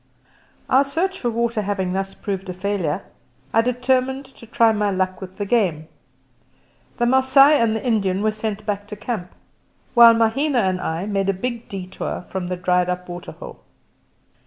Our search for water having thus proved a failure, I determined to try my luck with the game. The Masai and the Indian were sent back to camp, while Mahina and I made a big detour from the dried up water hole.